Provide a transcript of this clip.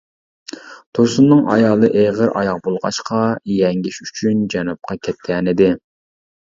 تۇرسۇننىڭ ئايالى ئېغىرئاياغ بولغاچقا يەڭگىش ئۈچۈن جەنۇبقا كەتكەنىدى.